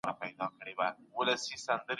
تاسو په هلمند کي د بست کلا په اړه څه پوهېږئ؟